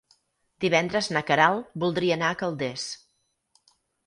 Divendres na Queralt voldria anar a Calders.